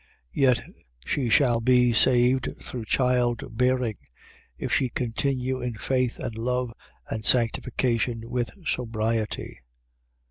2:15. Yet she shall be saved through child bearing; if she continue in faith and love and sanctification with sobriety.